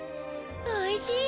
おいしい。